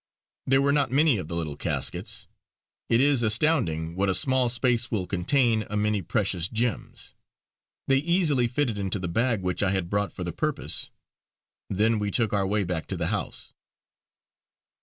There were not many of the little caskets it is astounding what a small space will contain a many precious gems. They easily fitted into the bag which I had brought for the purpose. Then we took our way back to the house.